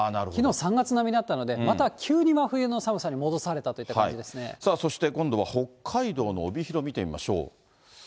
きのう、３月並みだったので、また急に真冬の寒さに戻されたといさあ、そして今度は北海道の帯広、見てみましょう。